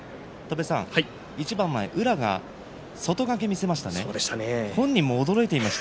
一番前の宇良が外掛けを見せました。